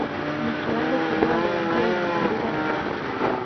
Na kiwango kidogo ndio imezungukwa na damu